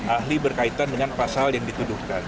ahli berkaitan dengan pasal yang dituduhkan